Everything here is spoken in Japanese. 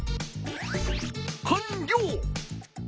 かんりょう！